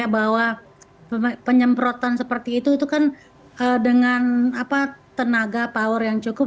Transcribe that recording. bahwa penyemprotan seperti itu itu kan dengan tenaga power yang cukup